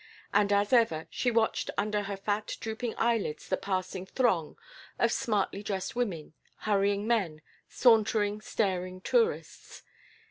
And as ever she watched under her fat drooping eyelids the passing throng of smartly dressed women, hurrying men, sauntering, staring tourists.